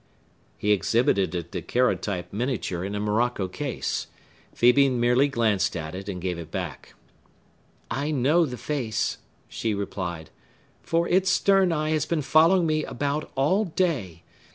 He exhibited a daguerreotype miniature in a morocco case. Phœbe merely glanced at it, and gave it back. "I know the face," she replied; "for its stern eye has been following me about all day.